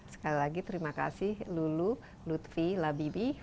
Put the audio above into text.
sekali lagi terima kasih lulu lutfi labibi